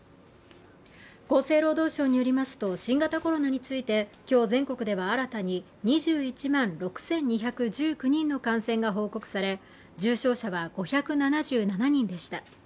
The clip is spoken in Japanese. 厚生労働省によりますと、新型コロナについて、今日、全国では新たに２１万６２１９人の感染が報告され重症者は５７７人でした。